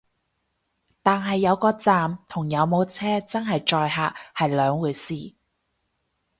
但係有個站同有冇車真係載客係兩回事